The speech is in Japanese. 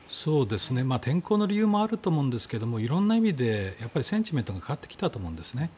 天候の理由もあると思うんですけどもいろんな意味で、センチメントが上がってきたと思うんですね。